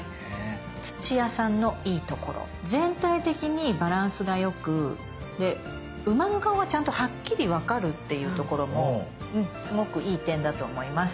土屋さんのいいところ全体的にバランスが良くで馬の顔がちゃんとはっきり分かるっていうところもすごくいい点だと思います。